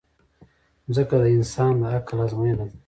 مځکه د انسان د عقل ازموینه ده.